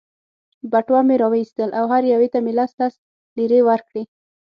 بټوه مې را وایستل او هرې یوې ته مې لس لس لیرې ورکړې.